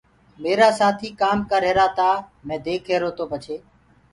ميرآ سآٿيٚ ڪآم ڪريهرآ تآ مي ديک ريهرو تو پڇي